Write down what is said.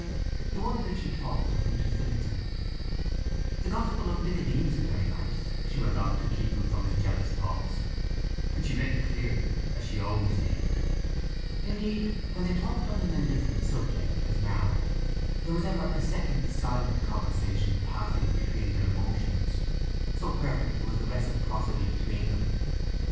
He wondered if she talked of him to Phillotson. "The Gospel of Nicodemus is very nice," she went on to keep him from his jealous thoughts, which she read clearly, as she always did. Indeed when they talked on an indifferent subject, as now, there was ever a second silent conversation passing between their emotions, so perfect was the reciprocity between them.